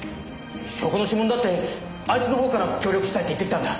証拠の指紋だってあいつのほうから協力したいって言ってきたんだ。